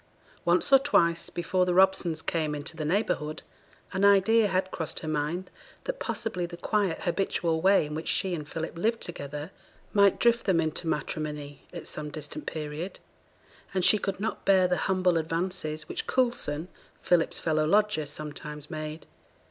Once or twice before the Robsons came into the neighbourhood, an idea had crossed her mind that possibly the quiet, habitual way in which she and Philip lived together, might drift them into matrimony at some distant period; and she could not bear the humble advances which Coulson, Philip's fellow lodger, sometimes made.